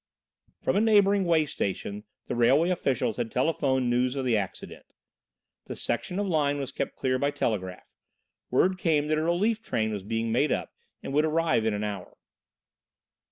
From a neighbouring way station the railway officials had telephoned news of the accident. The section of line was kept clear by telegraph. Word came that a relief train was being made up, and would arrive in an hour.